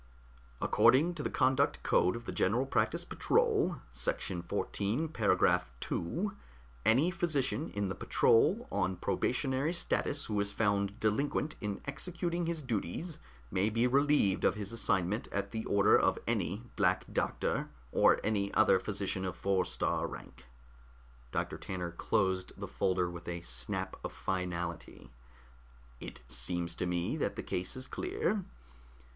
According to the conduct code of the General Practice Patrol, section XIV, paragraph 2, any physician in the patrol on probationary status who is found delinquent in executing his duties may be relieved of his assignment at the order of any Black Doctor, or any other physician of four star rank." Doctor Tanner closed the folder with a snap of finality. "It seems to me that the case is clear.